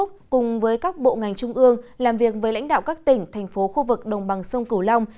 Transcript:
cùng với các bộ ngành trung ương làm việc với lãnh đạo các tỉnh thành phố khu vực đồng bằng sông cửu long